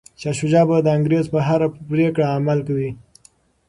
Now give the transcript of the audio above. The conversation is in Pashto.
شاه شجاع به د انګریز په هره پریکړه عمل کوي.